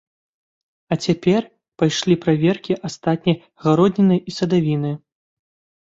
А цяпер пайшлі праверкі астатняй гародніны і садавіны.